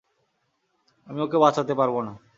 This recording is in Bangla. আমি ওকে বাঁচাতে পারবো না।